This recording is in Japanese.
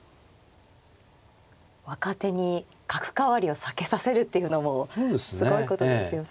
若手に角換わりを避けさせるっていうのもすごいことですよね。